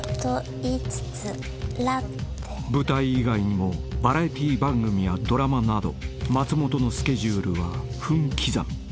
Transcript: ［舞台以外にもバラエティー番組やドラマなど松本のスケジュールは分刻み］